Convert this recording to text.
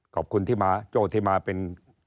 ขอบคุณที่มาโจ้ที่มาเป็น